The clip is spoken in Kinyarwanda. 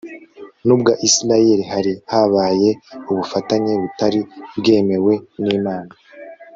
nubwa Isirayeli hari habaye ubufatanye butari bwemewe nImana